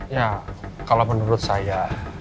ya kalau menurut saya